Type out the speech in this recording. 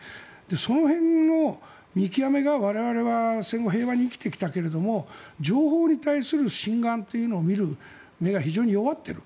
その辺の見極めが戦後我々平和に生きてきたけれども情報に対する真贋を見極める目が非常に弱っている。